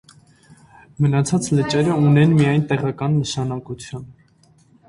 Մնացած լճերը ունեն միայն տեղական նշանակություն։